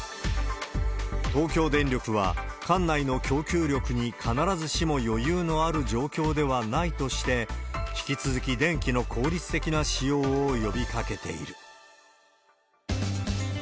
東京電力は、管内の供給力に必ずしも余裕のある状況ではないとして、引き続き電気の効率的な使用を呼びかけている。